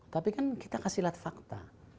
tapi kan kita kasih lihat fakta